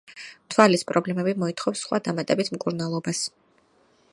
თვალის პრობლემები მოითხოვს სხვა დამატებით მკურნალობას.